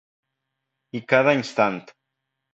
I cada instant